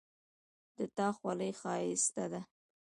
د تا خولی ښایسته ده